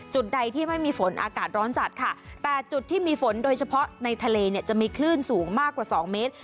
จุดใดที่ไม่มีฝนอากาศร้อนจัดค่ะแต่จุดที่มีฝนโดยเฉพาะในทะเลเนี่ยจะมีคลื่นสูงมากกว่าสองเมตร